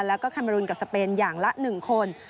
แล้วก็แคมเมรุนกับสเปนอย่างละ๑คน